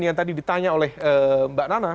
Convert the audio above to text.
yang tadi ditanya oleh mbak nana